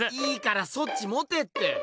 いいからそっち持てって！